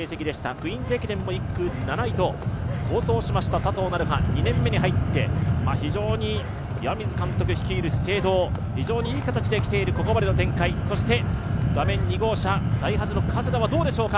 「クイーンズ駅伝」も１区７位と好走しました佐藤成葉、２年目に入って、岩水監督率いる資生堂非常にいい形できているここまでの展開そして画面２号車、ダイハツの加世田はどうでしょうか。